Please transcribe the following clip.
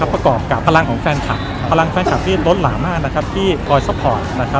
ประกอบกับพลังของแฟนคลับพลังแฟนคลับที่ล้นหลามมากที่คอยซัพพอร์ต